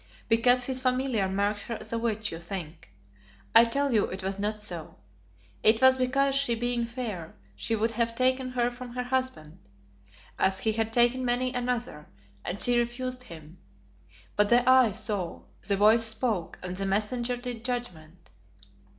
Because his familiar marked her as a witch, you think. I tell you it was not so. It was because she being fair, he would have taken her from her husband, as he had taken many another, and she refused him. But the Eye saw, the Voice spoke, and the Messenger did judgment.